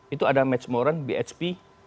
itu ada matt smoran bhp